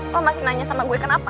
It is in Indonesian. kok masih nanya sama gue kenapa